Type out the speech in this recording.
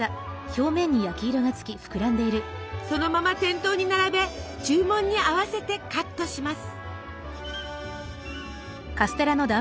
そのまま店頭に並べ注文に合わせてカットします。